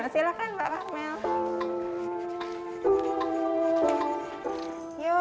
silakan mbak amel